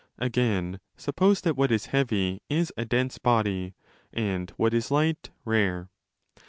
Again, suppose that what is heavy is a dense body, and what is light rare.